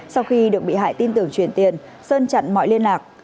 sau khi được bị hại tin tưởng chuyển tiền sơn chặn mọi liên lạc